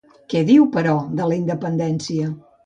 Què diu, però, de la independència?